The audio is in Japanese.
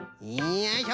よいしょ。